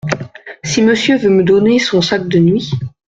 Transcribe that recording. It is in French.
Si Monsieur veut me donner son sac de nuit.